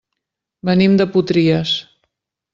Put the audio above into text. Venim de Potries.